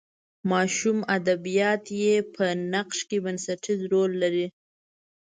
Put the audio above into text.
ماشوم ادبیات یې په نقش کې بنسټیز رول لري.